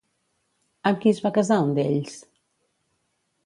Amb qui es va casar un d'ells?